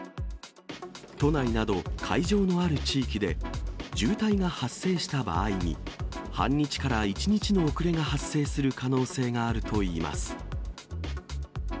都内など、会場のある地域で渋滞が発生した場合に、半日から１日の遅れが発生する可能性があるといいます。